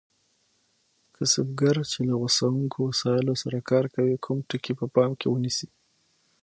کسبګر چې له غوڅوونکو وسایلو سره کار کوي کوم ټکي په پام کې ونیسي؟